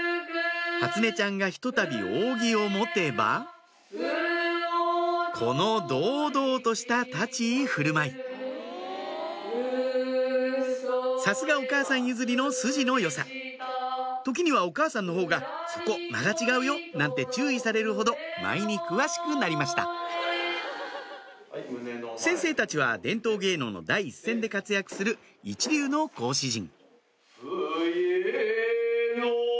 初音ちゃんがひとたび扇を持てばこの堂々とした立ち居振る舞いさすがお母さん譲りの筋の良さ時にはお母さんの方が「そこ間が違うよ」なんて注意されるほど舞に詳しくなりました先生たちは伝統芸能の第一線で活躍する一流の講師陣